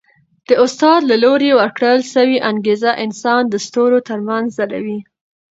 د استاد له لوري ورکړل سوی انګېزه انسان د ستورو تر منځ ځلوي.